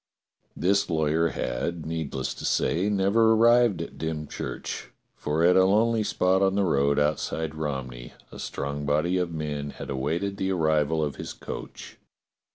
This lawyer had, needless to say, never arrived at Dymchurch. For at a lonely spot on the road outside Romney a strong body of men had awaited the arrival of his coach.